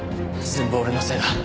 全部俺のせいだ。